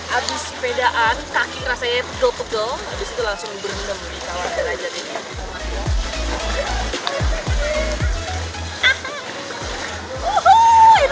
abis sepedaan kaki rasanya pegel pegel abis itu langsung berenam di kolam air aja ini